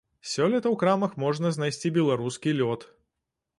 Сёлета ў крамах можна знайсці беларускі лёд.